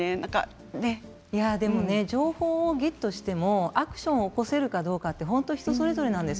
情報をゲットしてもアクションを起こせるかどうかというのは人それぞれなんです。